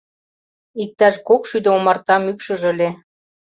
Иктаж кок шӱдӧ омарта мӱкшыжӧ ыле.